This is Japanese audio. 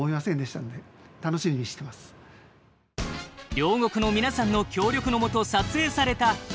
両国の皆さんの協力の下撮影された「ひらり」。